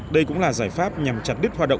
đây cũng là giải pháp nhằm chặt đứt hoạt động